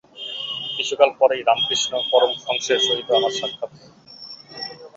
কিছুকাল পরেই রামকৃষ্ণ পরমহংসের সহিত আমার সাক্ষাৎ হয়।